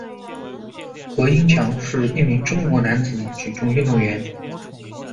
何英强是一名中国男子举重运动员。